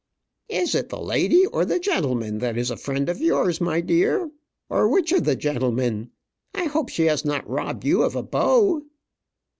"Is it the lady or the gentleman that is a friend of yours, my dear? or which of the gentlemen? I hope she has not robbed you of a beau."